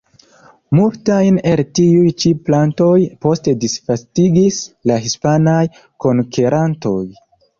Multajn el tiuj ĉi plantoj poste disvastigis la hispanaj konkerantoj.